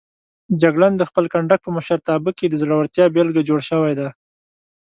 جګړن د خپل کنډک په مشرتابه کې د زړورتیا بېلګه جوړ شوی دی.